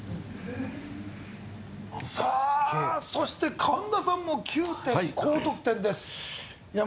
さあそして神田さんも９点高得点ですいや